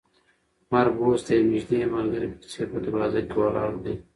مرګ اوس د یو نږدې ملګري په څېر په دروازه کې ولاړ دی.